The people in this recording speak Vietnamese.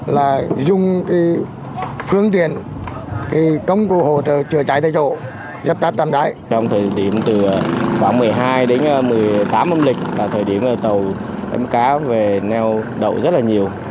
là thời điểm tàu đánh cá về neo đậu rất là nhiều